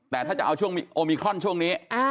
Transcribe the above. แต่ถ้าจะเอาช่วงโอมิครอนช่วงนี้